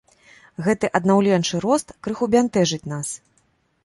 Гэты аднаўленчы рост крыху бянтэжыць нас.